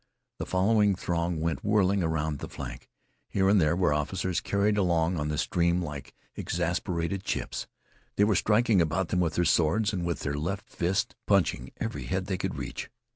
The following throng went whirling around the flank. Here and there were officers carried along on the stream like exasperated chips. They were striking about them with their swords and with their left fists, punching every head they could reach.